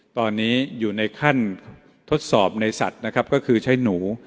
ตอนนี้อยู่ในขั้นทดสอบในสัตว์นะครับก็คือใช้หนู